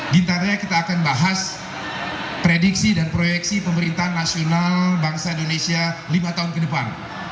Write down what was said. gitarnya kita akan bahas prediksi dan proyeksi pemerintahan nasional bangsa indonesia lima tahun ke depan